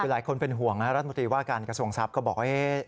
คือหลายคนเป็นห่วงนะรัฐมนตรีว่าการกระทรวงทรัพย์ก็บอกว่า